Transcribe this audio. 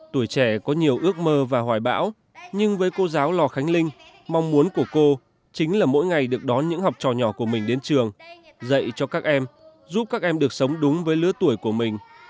tuổi trẻ có nhiều ước mơ và hoài bão nhưng với cô giáo lò khánh linh mong muốn của cô chính là mỗi ngày được đón những học trò nhỏ của mình đến trường dạy cho các em giúp các em được sống đúng với lứa tuổi của mình